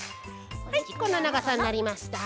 はいこんなながさになりました。